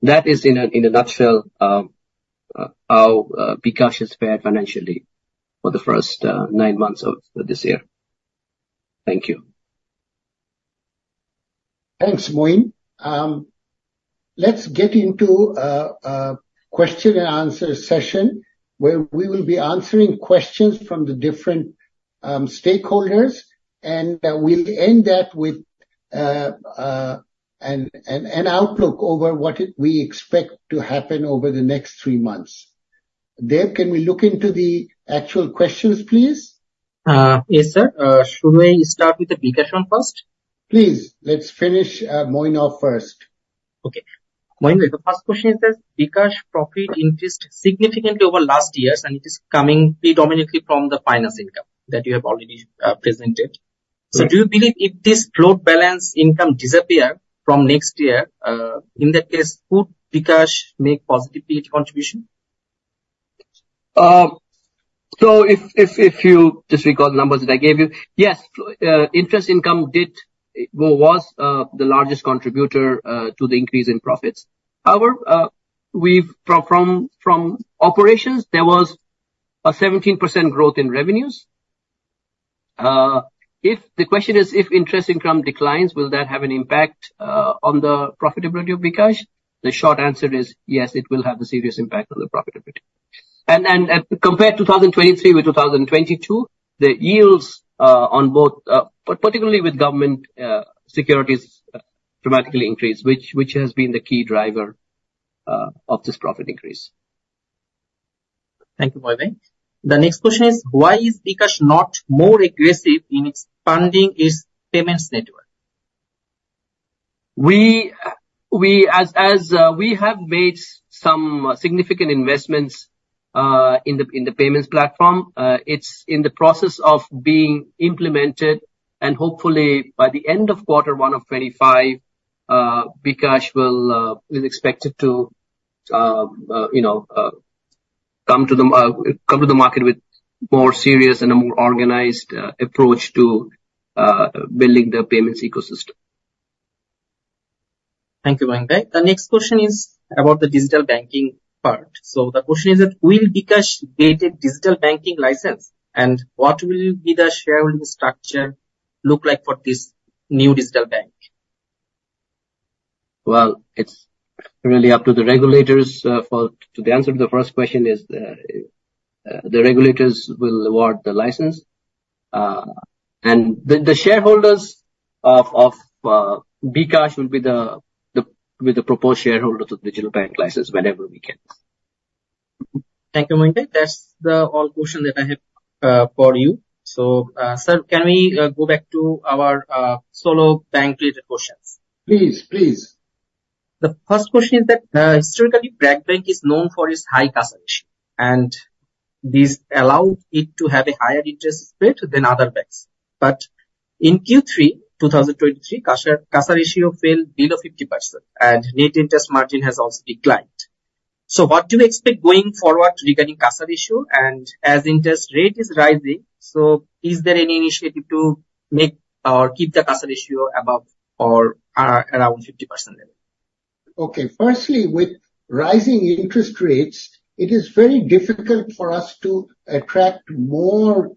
That is in a nutshell how bKash has fared financially for the first nine months of this year. Thank you. Thanks, Moin. Let's get into a question-and-answer session, where we will be answering questions from the different stakeholders, and we'll end that with an outlook over what we expect to happen over the next three months. Dev, can we look into the actual questions, please? Yes, sir. Should we start with the bKash one first? Please, let's finish Moin off first. Okay. Moin, the first question says, bKash profit increased significantly over last years, and it is coming predominantly from the finance income that you have already presented. Mm. So do you believe if this float balance income disappear from next year, in that case, could bKash make positive profit contribution? So if you just recall the numbers that I gave you, yes, interest income did, well, was the largest contributor to the increase in profits. However, we've, from operations, there was a 17% growth in revenues. If the question is, if interest income declines, will that have an impact on the profitability of bKash? The short answer is yes, it will have a serious impact on the profitability. And compared 2023 with 2022, the yields on both, particularly with government securities, dramatically increased, which has been the key driver of this profit increase. Thank you, Moin. The next question is, why is bKash not more aggressive in expanding its payments network? We, as we have made some significant investments in the payments platform, it's in the process of being implemented, and hopefully by the end of quarter one of 2025, bKash is expected to, you know, come to the market with more serious and a more organized approach to building the payments ecosystem. Thank you, Moin. The next question is about the digital banking part. So the question is that, will bKash get a digital banking license? And what will be the shareholding structure look like for this new digital bank? Well, it's really up to the regulators. To answer the first question is, the regulators will award the license. And the shareholders of bKash will be the proposed shareholder to the digital bank license whenever we can. Thank you, Moin. That's the all question that I have for you. So, sir, can we go back to our solo bank-related questions? Please, please. The first question is that, historically, BRAC Bank is known for its high CASA ratio, and this allowed it to have a higher interest rate than other banks. But in Q3, 2023, CASA, CASA ratio fell below 50%, and net interest margin has also declined. So what do you expect going forward regarding CASA ratio? And as interest rate is rising, so is there any initiative to make or keep the CASA ratio above or, around 50% level? Okay. Firstly, with rising interest rates, it is very difficult for us to attract more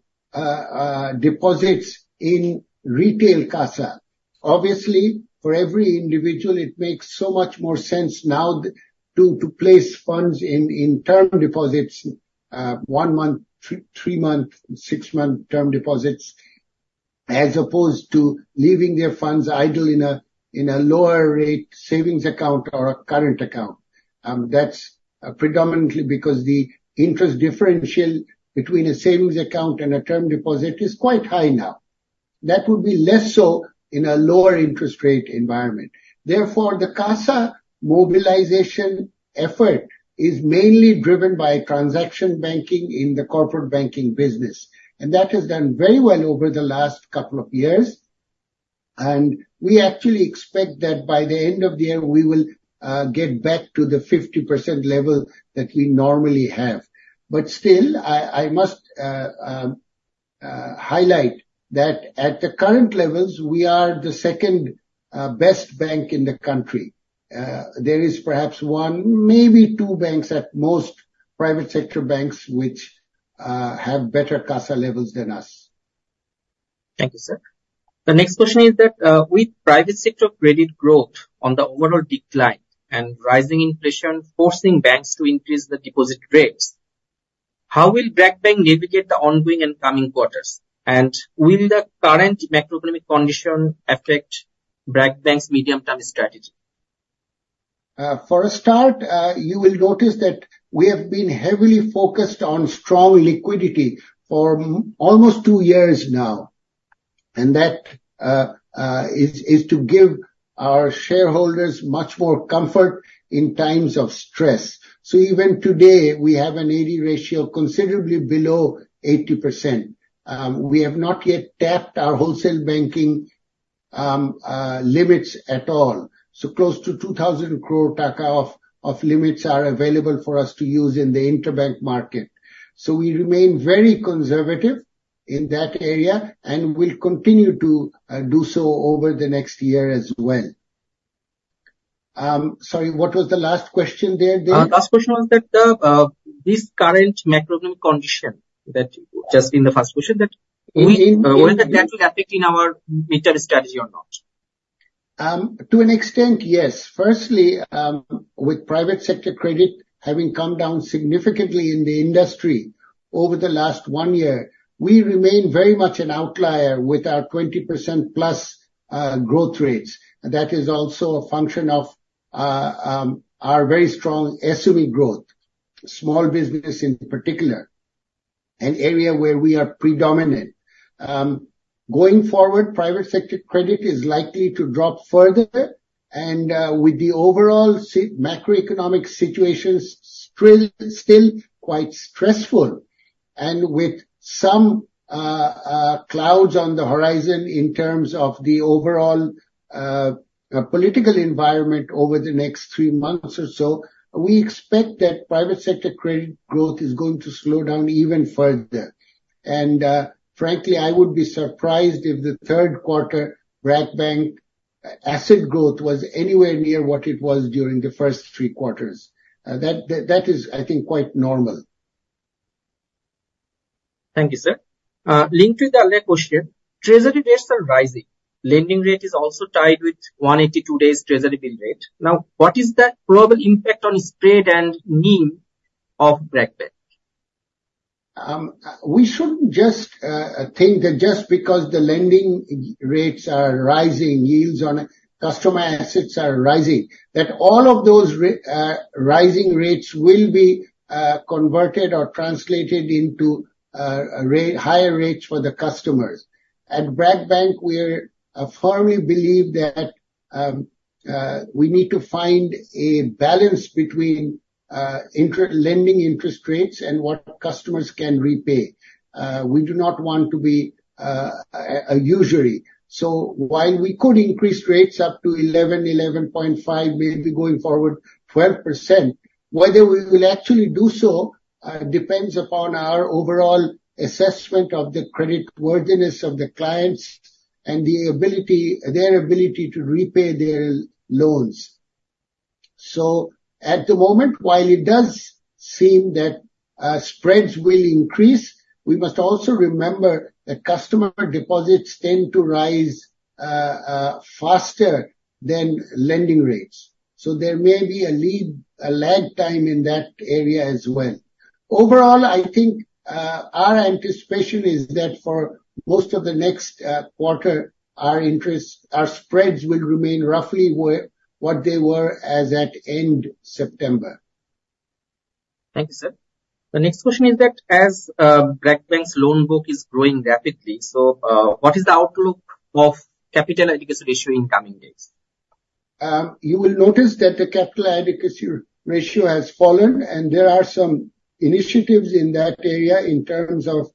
deposits in retail CASA. Obviously, for every individual, it makes so much more sense now to place funds in term deposits, one-month, three-month, six-month term deposits, as opposed to leaving their funds idle in a lower rate savings account or a current account. That's predominantly because the interest differential between a savings account and a term deposit is quite high now. That would be less so in a lower interest rate environment. Therefore, the CASA mobilization effort is mainly driven by transaction banking in the corporate banking business, and that has done very well over the last couple of years. We actually expect that by the end of the year, we will get back to the 50% level that we normally have. But still, I must highlight that at the current levels, we are the second best bank in the country. There is perhaps one, maybe two banks at most, private sector banks, which have better CASA levels than us. Thank you, sir. The next question is that, with private sector credit growth on the overall decline and rising inflation forcing banks to increase the deposit rates, how will BRAC Bank navigate the ongoing and coming quarters? And will the current macroeconomic condition affect BRAC Bank's medium-term strategy? For a start, you will notice that we have been heavily focused on strong liquidity for almost two years now, and that is to give our shareholders much more comfort in times of stress. So even today, we have an AD ratio considerably below 80%. We have not yet tapped our wholesale banking limits at all. So close to BDT 2,000 crore of limits are available for us to use in the interbank market. So we remain very conservative in that area, and will continue to do so over the next year as well. Sorry, what was the last question there again? Last question was that, this current macroeconomic condition, that just in the first question, that. Mm-hmm. Whether that will affect in our midterm strategy or not? To an extent, yes. Firstly, with private sector credit having come down significantly in the industry over the last 1 year, we remain very much an outlier with our 20%+ growth rates. That is also a function of our very strong SME growth, small business in particular, an area where we are predominant. Going forward, private sector credit is likely to drop further, and with the overall macroeconomic situation still quite stressful, and with some clouds on the horizon in terms of the overall political environment over the next three months or so, we expect that private sector credit growth is going to slow down even further. And frankly, I would be surprised if the third quarter BRAC Bank asset growth was anywhere near what it was during the first three quarters. That is, I think, quite normal. Thank you, sir. Linked with the other question, treasury rates are rising. Lending rate is also tied with 182 days treasury bill rate. Now, what is the probable impact on spread and NIM of BRAC Bank? We shouldn't just think that just because the lending rates are rising, yields on customer assets are rising, that all of those rising rates will be converted or translated into higher rates for the customers. At BRAC Bank, we firmly believe that we need to find a balance between lending interest rates and what customers can repay. We do not want to be a usury. So while we could increase rates up to 11%, 11.5%, maybe going forward 12%, whether we will actually do so depends upon our overall assessment of the creditworthiness of the clients and their ability to repay their loans. So at the moment, while it does seem that spreads will increase, we must also remember that customer deposits tend to rise faster than lending rates. So there may be a lead-lag time in that area as well. Overall, I think our anticipation is that for most of the next quarter, our interest spreads will remain roughly where they were as at end September. Thank you, sir. The next question is that, as BRAC Bank's loan book is growing rapidly, so, what is the outlook of Capital Adequacy Ratio in coming days? You will notice that the Capital Adequacy Ratio has fallen, and there are some initiatives in that area in terms of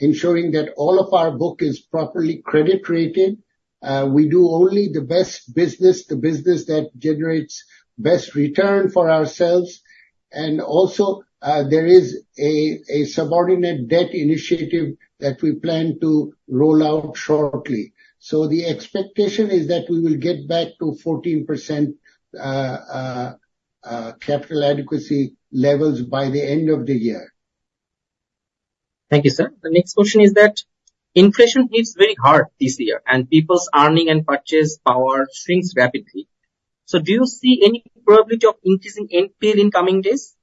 ensuring that all of our book is properly credit rated. We do only the best business, the business that generates best return for ourselves. And also, there is a subordinated debt initiative that we plan to roll out shortly. So the expectation is that we will get back to 14% capital adequacy levels by the end of the year. Thank you, sir. The next question is that, inflation hits very hard this year, and people's earning and purchase power shrinks rapidly. So do you see any probability of increasing NPA in coming days?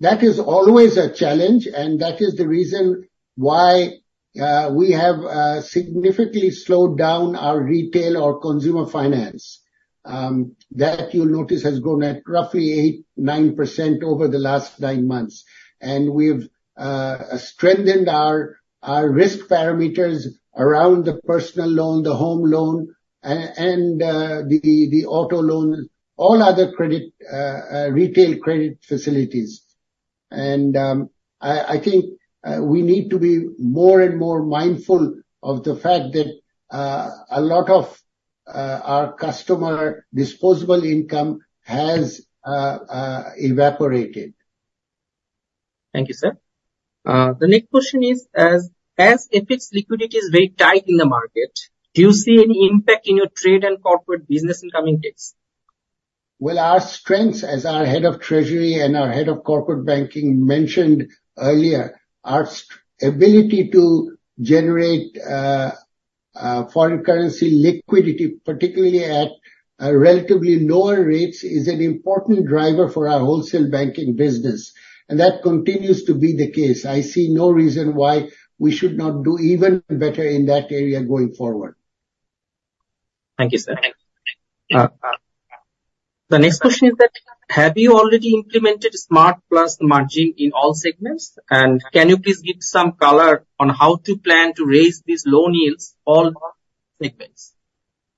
That is always a challenge, and that is the reason why we have significantly slowed down our retail or consumer finance. That, you'll notice, has grown at roughly 8%-9% over the last nine months. And we've strengthened our risk parameters around the personal loan, the home loan, and the auto loan, all other credit retail credit facilities. And I think we need to be more and more mindful of the fact that a lot of our customer disposable income has evaporated. Thank you, sir. The next question is, as FX liquidity is very tight in the market, do you see any impact in your trade and corporate business in coming days? Well, our strength, as our Head of Treasury and our Head of Corporate Banking mentioned earlier, our stability to generate foreign currency liquidity, particularly at relatively lower rates, is an important driver for our wholesale banking business. That continues to be the case. I see no reason why we should not do even better in that area going forward. Thank you, sir. The next question is that, have you already implemented SMART plus margin in all segments? And can you please give some color on how to plan to raise these loan yields all segments?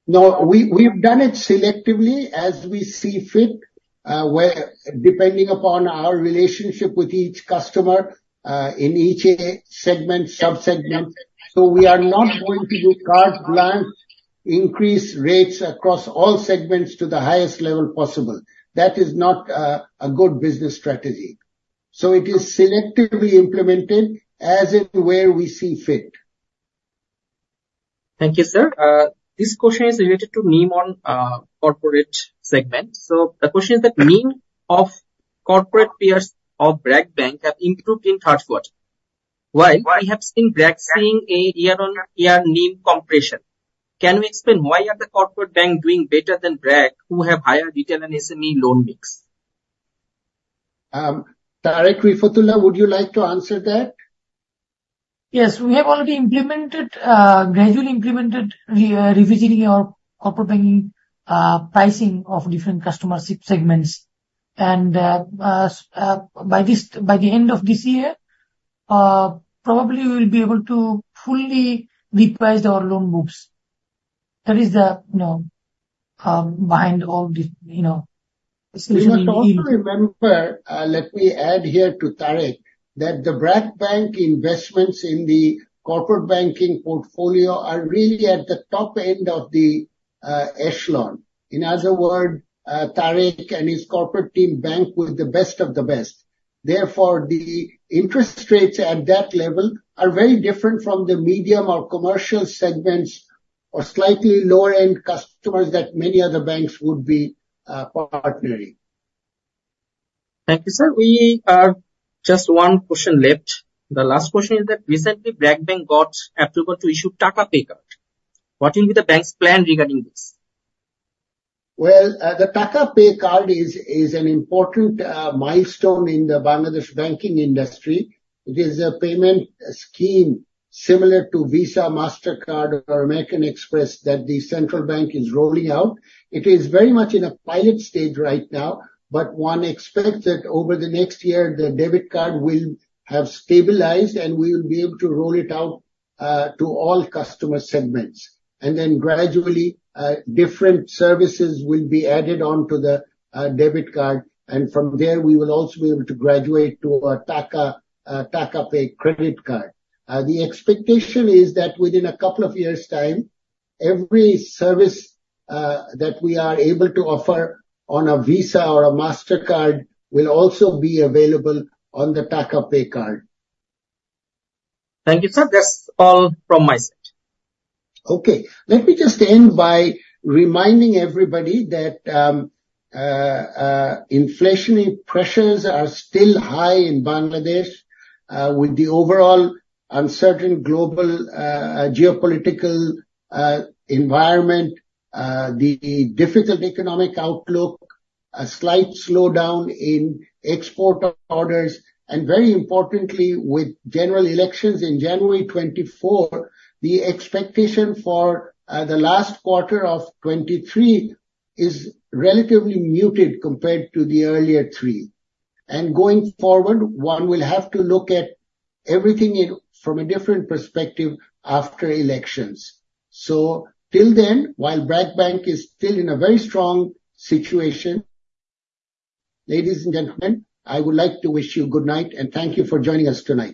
No, we, we've done it selectively, as we see fit, where depending upon our relationship with each customer, in each segment, sub-segment. So we are not going to do a blanket increase rates across all segments to the highest level possible. That is not a good business strategy. So it is selectively implemented as and where we see fit. Thank you, sir. This question is related to NIM on corporate segment. So the question is that, NIM of corporate peers of BRAC Bank have improved in third quarter. Why have seen BRAC seeing a year-on-year NIM compression? Can you explain why are the corporate bank doing better than BRAC, who have higher retail and SME loan mix? Tareq Refat Ullah, would you like to answer that? Yes, we have already implemented gradually implemented revisiting our corporate banking pricing of different customer segments. And by this, by the end of this year, probably we will be able to fully reprice our loan books. That is the, you know, behind all the, you know, in. We must also remember, let me add here to Tareq, that the BRAC Bank investments in the corporate banking portfolio are really at the top end of the, echelon. In other word, Tareq and his corporate team bank with the best of the best. Therefore, the interest rates at that level are very different from the medium or commercial segments or slightly lower end customers that many other banks would be, partnering. Thank you, sir. We are just one question left. The last question is that: recently, BRAC Bank got approval to issue TakaPay card. What will be the bank's plan regarding this? Well, the TakaPay card is an important milestone in the Bangladesh banking industry. It is a payment scheme similar to Visa, Mastercard or American Express, that the central bank is rolling out. It is very much in a pilot stage right now, but one expects that over the next year, the debit card will have stabilized, and we will be able to roll it out to all customer segments. And then gradually, different services will be added on to the debit card, and from there, we will also be able to graduate to a TakaPay credit card. The expectation is that within a couple of years' time, every service that we are able to offer on a Visa or a Mastercard will also be available on the TakaPay card. Thank you, sir. That's all from my side. Okay. Let me just end by reminding everybody that inflationary pressures are still high in Bangladesh. With the overall uncertain global geopolitical environment, the difficult economic outlook, a slight slowdown in export of orders, and very importantly, with general elections in January 2024, the expectation for the last quarter of 2023 is relatively muted compared to the earlier three. And going forward, one will have to look at everything from a different perspective after elections. So till then, while BRAC Bank is still in a very strong situation, ladies and gentlemen, I would like to wish you good night, and thank you for joining us tonight.